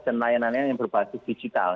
dan layanan yang berbagi digital